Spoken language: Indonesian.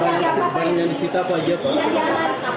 berasal dari badan jalisita pak jepang